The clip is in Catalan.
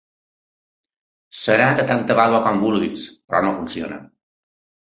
Serà de tanta vàlua com vulguis, però no funciona.